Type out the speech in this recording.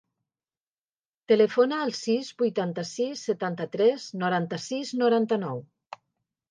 Telefona al sis, vuitanta-sis, setanta-tres, noranta-sis, noranta-nou.